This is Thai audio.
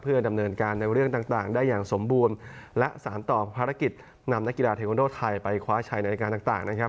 ดำเนินการในเรื่องต่างได้อย่างสมบูรณ์และสารต่อภารกิจนำนักกีฬาเทควันโดไทยไปคว้าชัยในรายการต่างนะครับ